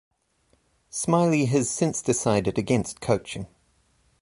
Smiley has since decided against coaching.